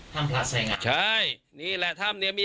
ก็เลยไม่เจอนะฮะเจอแต่ไม่มีปัญญาเอาได้